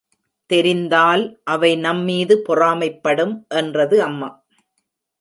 தெரிந்தால், அவை நம்மீது பொறாமைப்படும் என்றது அம்மா.